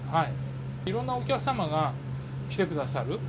いろんなお客様が来てくださる。